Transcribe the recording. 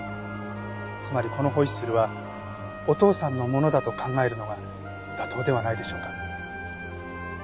つまりこのホイッスルはお父さんのものだと考えるのが妥当ではないでしょうか？